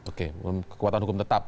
oke kekuatan hukum tetap